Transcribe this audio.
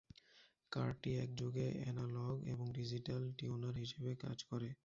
কার্ডটি একযোগে এনালগ এবং ডিজিটাল টিউনার হিসেবে কাজ করে।